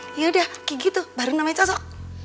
hmm yaudah kaya gitu baru namanya cocok